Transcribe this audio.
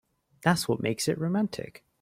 That's what makes it romantic.